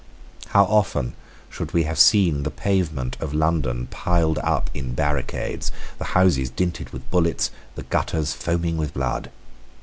How often should we have seen the pavement of London piled up in barricades, the houses dinted with bullets, the gutters foaming with blood!